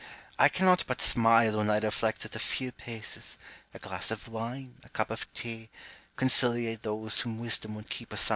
I cannot but smile when I reflect that a few paces, a glass of wine, a cup of tea, con ciliate those whom Wisdom would keep asunder.